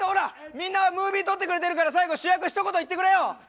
みんながムービー撮ってくれてるから最後主役ひと言言ってくれよ！